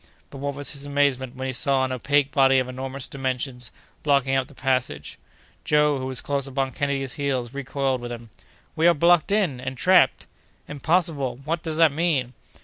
But what was his amazement when he saw an opaque body of enormous dimensions blocking up the passage! Joe, who was close upon Kennedy's heels, recoiled with him. "We are blocked in—entrapped!" "Impossible! What does that mean?